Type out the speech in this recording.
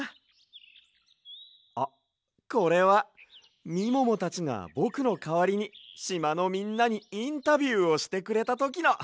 あっこれはみももたちがぼくのかわりにしまのみんなにインタビューをしてくれたときの！